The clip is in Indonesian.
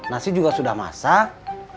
nasi juga sudah masak